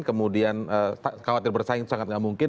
kemudian khawatir bersaing itu sangat gak mungkin